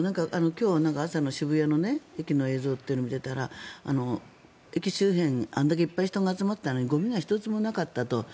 今日は朝の渋谷の駅の映像を見てたら駅周辺あれだけ人が集まったのにゴミが１つもなかったと。